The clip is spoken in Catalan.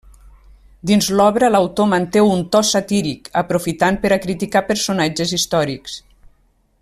Dins l'obra l'autor manté un to satíric, aprofitant per a criticar personatges històrics.